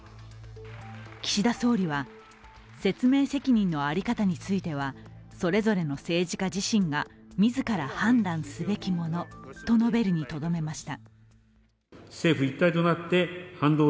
岸田総理は説明責任の在り方についてはそれぞれの政治家自身が自ら判断すべきものと述べるにとどめました。